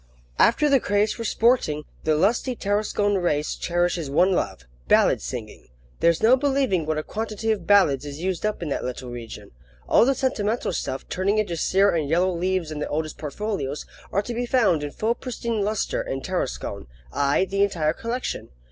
AFTER the craze for sporting, the lusty Tarascon race cherishes one love: ballad singing. There's no believing what a quantity of ballads is used up in that little region. All the sentimental stuff turning into sere and yellow leaves in the oldest portfolios, are to be found in full pristine lustre in Tarascon. Ay, the entire collection.